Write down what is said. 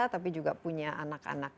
tapi juga punya anak anak